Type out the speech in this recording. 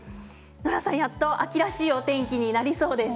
ノラさん、やっと秋らしいお天気になりそうです。